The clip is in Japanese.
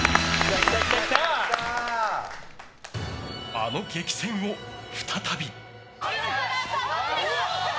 あの激戦を再び。